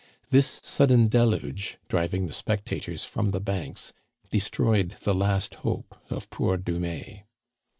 This sudden deluge, driving the spectators from the banks, destroyed the last hope of poor Dumais.